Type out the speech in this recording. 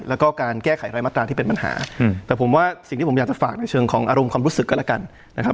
แล้วก็การแก้ไขรายมาตราที่เป็นปัญหาแต่ผมว่าสิ่งที่ผมอยากจะฝากในเชิงของอารมณ์ความรู้สึกก็แล้วกันนะครับ